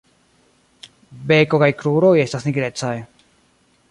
Beko kaj kruroj estas nigrecaj.